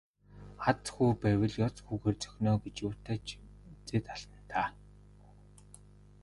Аз хүү байвал ёоз хүүгээр цохино оо гэж юутай ч үзээд алдана даа.